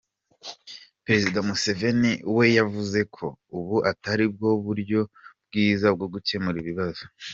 Perezida Museveni we yavuze ko ubu atari bwo buryo bwiza bwo gukemura ibibazo.